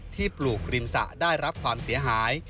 ปลูกริมสระได้รับความเสียหาย